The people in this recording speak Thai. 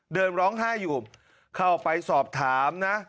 เดินร้องไห้อยู่เข้าไปสอบถามนะ